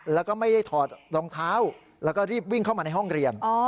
แล้วก็ไม่ได้ถอดรองเท้าแล้วก็รีบวิ่งเข้ามาในห้องเรียน